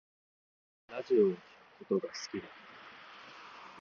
ラジオを聴くことが好きだ